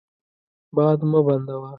باد مه بندوه.